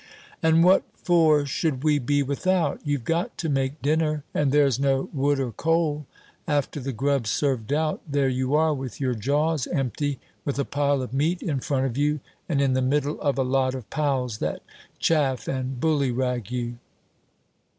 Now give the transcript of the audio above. "And what for should we be without? You've got to make dinner, and there's no wood or coal. After the grub's served out, there you are with your jaws empty, with a pile of meat in front of you, and in the middle of a lot of pals that chaff and bullyrag you!"